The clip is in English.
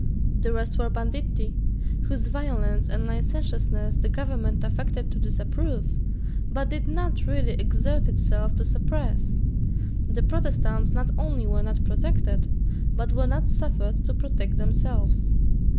The rest were banditti, whose violence and licentiousness the Government affected to disapprove, but did not really exert itself to suppress. The Protestants not only were not protected, but were not suffered to protect themselves.